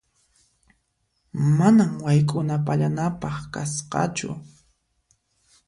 Manan wayk'una pallanapaq kasqachu.